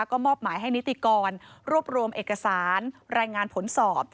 ก็มอบหมายให้นิติกรรวบรวมเอกสารรายงานผลสอบ